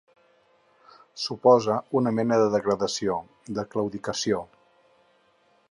Suposa una mena de degradació, de claudicació.